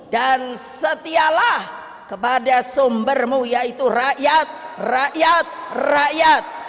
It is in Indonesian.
dan setialah kepada sumbermu yaitu rakyat rakyat rakyat